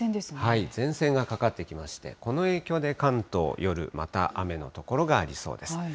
前線がかかってきまして、この影響で関東、夜、また雨の所がありそうです。